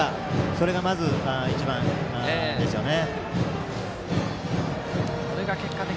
それが一番ですよね。